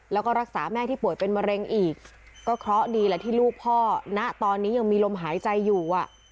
แล้วก็รักษาแม่ที่ป่วยเป็นมะเร็งอีกก็เคราะห์ดีแหละที่ลูกพ่อณตอนนี้ยังมีลมหายใจอยู่